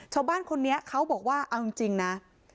ชาวบ้านคนนี้เขาบอกว่าเอาจริงนะ